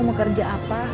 kamu kerja apa